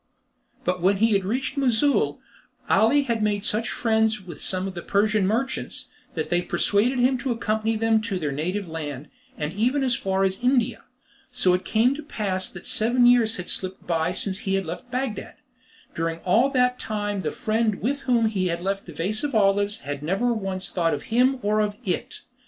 But when he reached Mossoul, Ali had made such friends with some Persian merchants, that they persuaded him to accompany them to their native land, and even as far as India, and so it came to pass that seven years had slipped by since he had left Bagdad, and during all that time the friend with whom he had left the vase of olives had never once thought of him or of it.